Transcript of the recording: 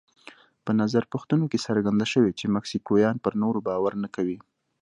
په نظر پوښتنو کې څرګنده شوې چې مکسیکویان پر نورو باور نه کوي.